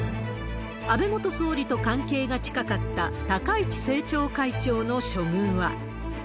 安倍元総理と関係が近かった高市政調会長の処遇は。